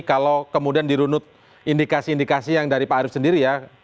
kalau kemudian dirunut indikasi indikasi yang dari pak arief sendiri ya